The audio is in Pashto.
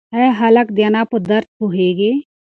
ایا هلک د انا په درد پوهېږي؟